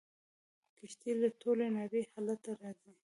کښتۍ له ټولې نړۍ هلته راځي.